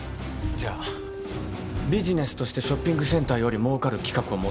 じゃビジネスとしてショッピングセンターよりもうかる企画を持ってくる。